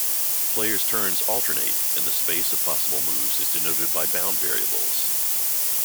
Players' turns alternate and the space of possible moves is denoted by bound variables.